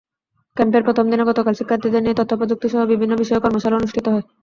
ক্যাম্পের প্রথম দিনে গতকাল শিক্ষার্থীদের নিয়ে তথ্যপ্রযুক্তিসহ বিভিন্ন বিষয়ে কর্মশালা অনুষ্ঠিত হয়।